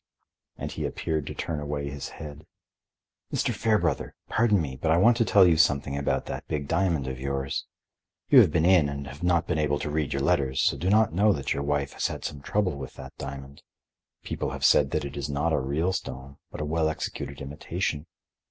And he appeared to turn away his head. "Mr. Fairbrother! Pardon me, but I want to tell you something about that big diamond of yours. You have been in and have not been able to read your letters, so do not know that your wife has had some trouble with that diamond. People have said that it is not a real stone, but a well executed imitation.